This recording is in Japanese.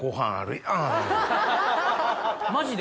マジで！